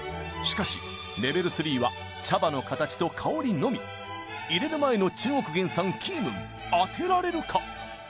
しかしレベル３は茶葉の形と香りのみ淹れる前の中国原産キームン当てられるか？